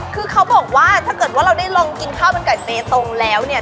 คือเขาบอกว่าถ้าเกิดว่าเราได้ลองกินข้าวมันไก่เบตงแล้วเนี่ย